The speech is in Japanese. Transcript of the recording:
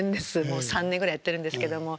もう３年ぐらいやってるんですけども。